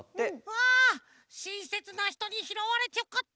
わあしんせつなひとにひろわれてよかった！